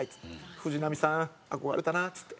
「藤波さん憧れたな」っつって。